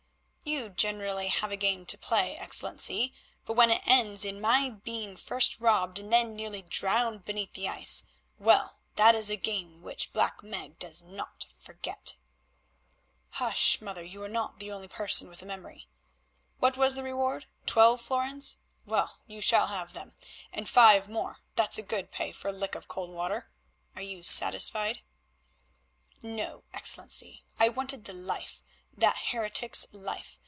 "You generally have a game to play, Excellency, but when it ends in my being first robbed and then nearly drowned beneath the ice—well, that is a game which Black Meg does not forget." "Hush, mother, you are not the only person with a memory. What was the reward? Twelve florins? Well, you shall have them, and five more; that's good pay for a lick of cold water. Are you satisfied?" "No, Excellency. I wanted the life, that heretic's life.